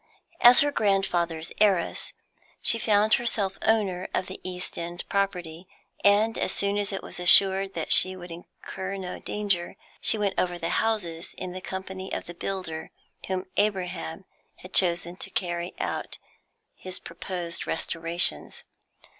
As her grandfather's heiress she found herself owner of the East end property, and, as soon as it was assured that she would incur no danger, she went over the houses in the company of the builder whom Abraham had chosen to carry out his proposed restorations.